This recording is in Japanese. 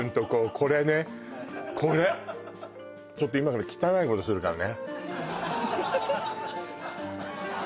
これねこれちょっと今から汚いことするからね